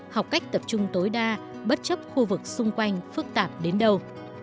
học cách tập trung tối đa bất chấp khu vực xung quanh phức tạp đến đâu